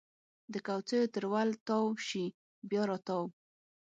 د کوڅېو تر ول تاو شي بیا راتاو